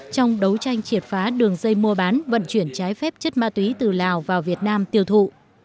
trong đấu tranh triệt phá đường dây mua bán vận chuyển trái phép chất ma túy từ lào vào việt nam tiêu thụ